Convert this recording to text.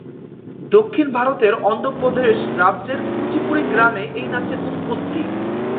দক্ষিণ ভারতের অন্ধ্রপ্রদেশ রাজ্যের কুচিপুড়ি গ্রামে এই নাচের উৎপত্তি।